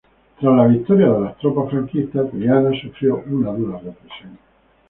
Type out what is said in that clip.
Tras la victoria de las tropas franquistas, Triana sufrió una dura represión.